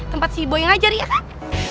tempat si boy ngajar ya kan